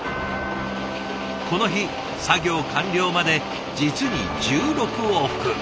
この日作業完了まで実に１６往復。